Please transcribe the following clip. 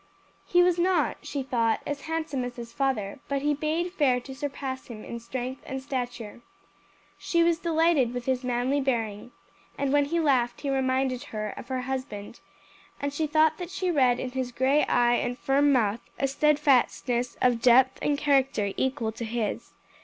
He was not, she thought, as handsome as his father, but he bade fair to surpass him in strength and stature. She was delighted with his manly bearing; and when he laughed he reminded her of her husband, and she thought that she read in his gray eye and firm mouth a steadfastness and depth of character equal to his.